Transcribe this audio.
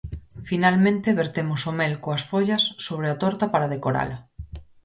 Finalmente vertemos o mel coas follas sobre a torta para decorala.